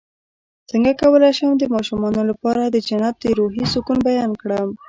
څنګه کولی شم د ماشومانو لپاره د جنت د روحي سکون بیان کړم